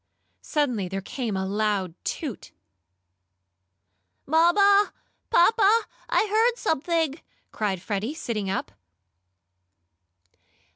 Suddenly there came a loud toot. "Mamma! Papa! I heard something!" cried Freddie, sitting up.